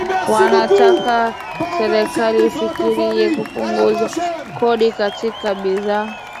Wanataka serikali ifikirie kupunguza kodi katika bidhaa